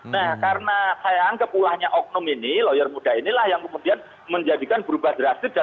nah karena saya anggap ulahnya oknum ini lawyer muda inilah yang kemudian menjadikan berubah drastis